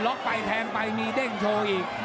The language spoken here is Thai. ็อกไปแทงไปมีเด้งโชว์อีก